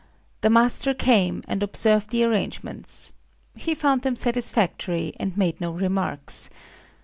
The master came, and observed the arrangements. He found them satisfactory, and made no remarks.